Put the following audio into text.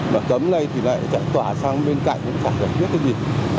mà cấm đây thì lại chạy tỏa sang bên cạnh cũng chẳng cần biết cái gì